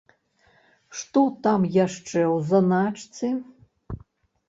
Што там яшчэ ў заначцы?